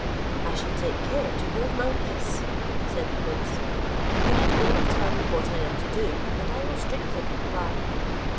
"I shall take care to hold my peace," said the prince; "you need only tell me what I am to do, and I will strictly comply."